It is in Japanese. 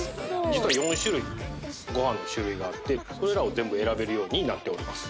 実は４種類ご飯の種類があってそれらを全部選べるようになっております